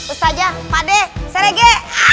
ustazah padeh serege